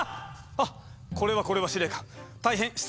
あっこれはこれは司令官大変失礼いたしました。